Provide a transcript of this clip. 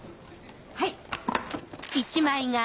はい。